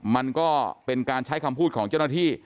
มันก็เป็นการใช้คำพูดของเจ้าหน้าที่